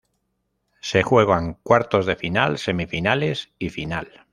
Se juegan cuartos de final, semifinales y final.